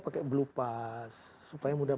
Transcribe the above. pakai blue pas supaya mudah